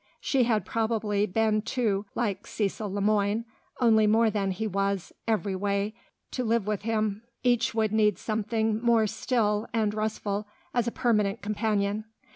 She had probably been too like Cecil Le Moine (only more than he was, every way) to live with him; each would need something more still and restful as a permanent companion.